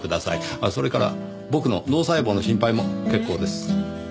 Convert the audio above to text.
あっそれから僕の脳細胞の心配も結構です。